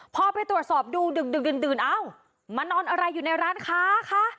พอไปตรวจสอบดูดึกดื่นเอ้ามานอนอะไรอยู่ในร้านค้าคะ